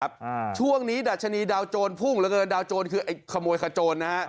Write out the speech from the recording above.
อ่าช่วงนี้ดัชนีดาวโจรพุ่งเหลือเกินดาวโจรคือไอ้ขโมยขโจรนะฮะ